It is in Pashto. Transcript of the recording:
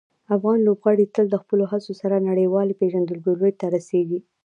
افغان لوبغاړي تل د خپلو هڅو سره نړیوالې پېژندګلوۍ ته رسېږي.